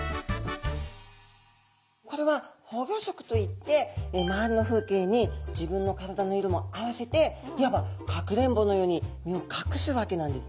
これは保護色といって周りの風景に自分の体の色も合わせていわばかくれんぼのように身を隠すわけなんですね。